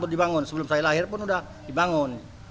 dibangun sebelum saya lahir pun sudah dibangun